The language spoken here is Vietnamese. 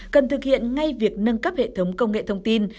cần thực hiện ngay việc nâng cấp hệ thống công nghệ thông tin